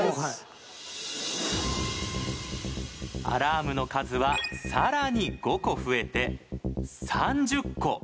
アラームの数は更に５個増えて３０個。